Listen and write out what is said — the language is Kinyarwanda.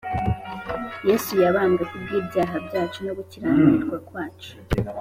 yesu yabambwe ku bw’ibyaha byacu no gukiranirwa kwacu